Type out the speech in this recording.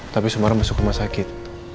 tapi semarang masuk rumah sakit